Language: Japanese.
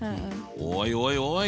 おいおいおい！